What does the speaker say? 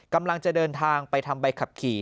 กำลังจะเดินทางไปทำใบขับขี่